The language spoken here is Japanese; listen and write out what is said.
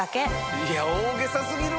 いや大げさ過ぎるわ！